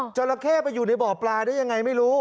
จราเข้ไปอยู่ในบ่อปลาได้ยังไงไม่รู้